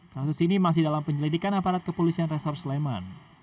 kasus ini masih dalam penyelidikan aparat kepolisian resor sleman